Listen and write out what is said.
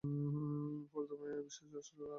ফলত মায়া-ই এই বিশ্বের আসল কারণ।